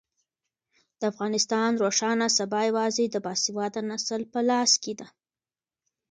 د افغانستان روښانه سبا یوازې د باسواده نسل په لاس کې ده.